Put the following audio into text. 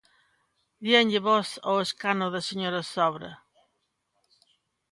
Déanlle voz ao escano da señora Zobra.